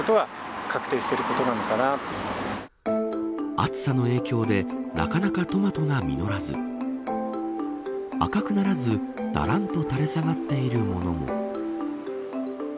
暑さの影響でなかなかトマトが実らず赤くならず、だらんと垂れ下がっているものも。